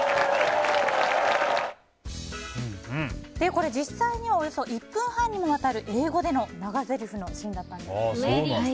これ、実際におよそ１分半にもわたる英語での長ぜりふのシーンだったんですよね。